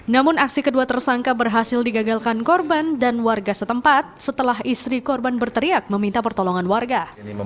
namun aksi kedua tersangka berhasil digagalkan korban dan warga setempat setelah istri korban berteriak meminta pertolongan warga